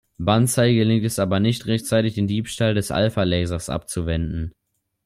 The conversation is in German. Banzai gelingt es aber nicht rechtzeitig, den Diebstahl des Alpha-Lasers abzuwenden.